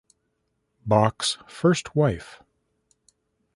Bach's first wife.